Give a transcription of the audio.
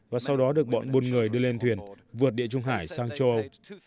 và sau đó được bọn buôn người đưa lên thuyền vượt địa trung hải sang châu âu